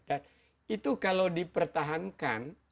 dan itu kalau dipertahankan